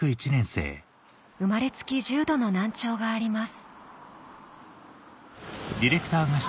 生まれつき重度の難聴があります